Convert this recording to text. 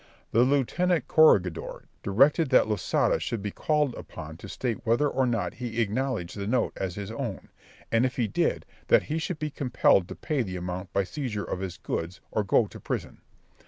The lieutenant corregidor directed that Losada should be called upon to state whether or not he acknowledged the note as his own, and if he did, that he should be compelled to pay the amount by seizure of his goods, or go to prison.